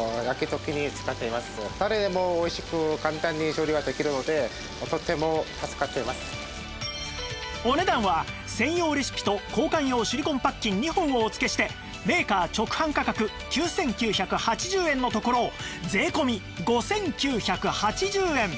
実はこのお値段は専用レシピと交換用シリコンパッキン２本をお付けしてメーカー直販価格９９８０円のところ税込５９８０円